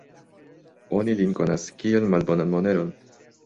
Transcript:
Oni lin konas, kiel malbonan moneron.